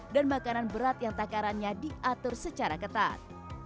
dan makanan berat yang takarannya diatur secara ketat